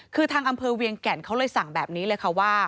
คือทางอำเภอเวียงแก่นเขาเลยสั่งแบบนี้เลยค่ะว่า